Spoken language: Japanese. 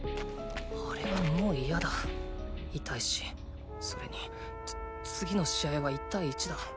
あれはもう嫌だ痛いしそれに次の試合は１対１だ。